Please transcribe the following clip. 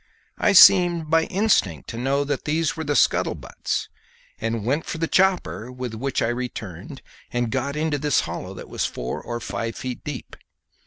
I seemed by instinct to know that these were the scuttlebutts and went for the chopper, with which I returned and got into this hollow, that was four or five feet deep.